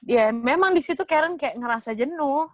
ya memang disitu karen kayak ngerasa jenuh